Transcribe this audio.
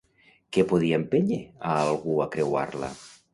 Què podia empènyer a algú a creuar-la?